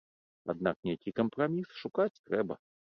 Аднак нейкі кампраміс шукаць трэба.